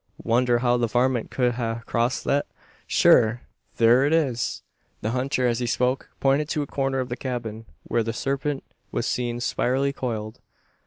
Wonder how the varmint could ha' crossed thet? Thur thur it is!" The hunter, as he spoke, pointed to a corner of the cabin, where the serpent was seen spirally coiled.